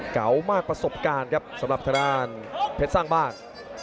เก่ามากประสบการณ์ครับสำหรับทางด้านเพชรสร้างบ้าน